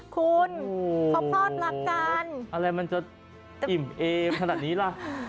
คุณเขาพลอดรักกันอะไรมันจะอิ่มเอมขนาดนี้ล่ะ